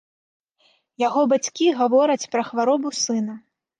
Яго бацькі гавораць пра хваробу сына.